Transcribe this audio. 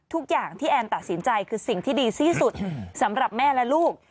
ทุกอย่างที่แอนตัดสินใจคือสิ่งที่ดีที่สุดสำหรับแม่และลูก